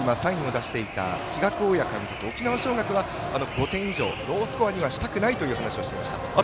比嘉公也監督沖縄尚学は５点以上ロースコアにはしたくないという話をしていました。